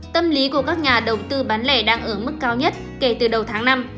tâm lý của các nhà đầu tư bán lẻ đang ở mức cao nhất kể từ đầu tháng năm